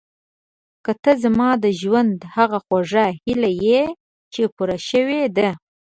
ته زما د ژوند هغه خوږه هیله یې چې پوره شوې ده.